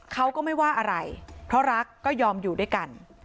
เขาก็ไม่ว่าอะไรเพราะรักก็ยอมอยู่ด้วยกัน